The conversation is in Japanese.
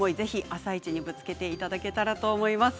「あさイチ」にぶつけていただけたらと思います。